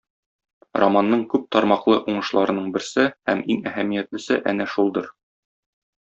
Романның күп тармаклы уңышларының берсе һәм иң әһәмиятлесе әнә шулдыр.